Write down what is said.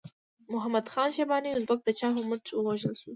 محمد خان شیباني ازبک د چا په مټ ووژل شو؟